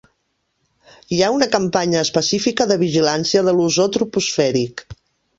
Hi ha una campanya específica de vigilància de l'ozó troposfèric.